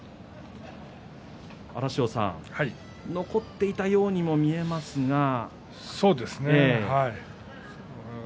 荒汐さん、残っていたようにも見えますけれども。